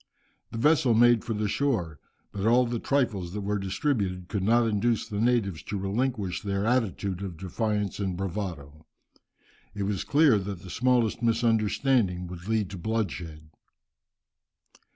The vessel made for the shore, but all the trifles that were distributed could not induce the natives to relinquish their attitude of defiance and bravado. It was clear that the smallest misunderstanding would lead to bloodshed.